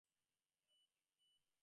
আমি আপত্তি করিব!